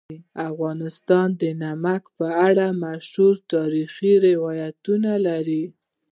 افغانستان د نمک په اړه مشهور تاریخی روایتونه لري.